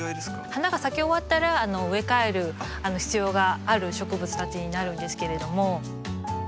花が咲き終わったら植え替える必要がある植物たちになるんですけれども。